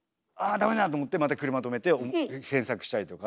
ダメだと思ってまた車止めて検索したりとか。